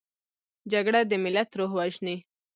جګړه د ملت روح وژني